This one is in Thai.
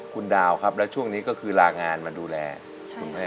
คุณดาวครับแล้วช่วงนี้ก็คือลางานมาดูแลคุณแม่